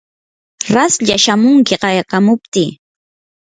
raslla shamunki qayakamuptii.